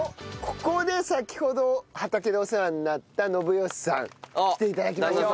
ここで先ほど畑でお世話になった信良さん来て頂きました。